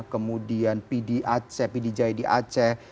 kemudian pdj di aceh